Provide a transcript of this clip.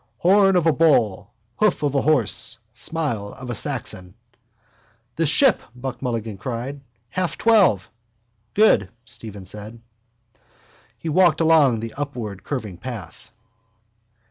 Horn of a bull, hoof of a horse, smile of a Saxon. —The Ship, Buck Mulligan cried. Half twelve. —Good, Stephen said. He walked along the upwardcurving path.